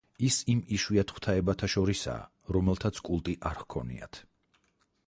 ის იმ იშვიათ ღვთაებათა შორისაა, რომელთაც კულტი არ ჰქონიათ.